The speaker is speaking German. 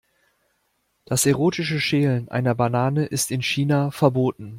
Das erotische Schälen einer Banane ist in China verboten.